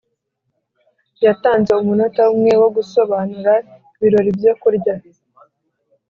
yatanze umunota umwe wo gusobanura ibirori byo kurya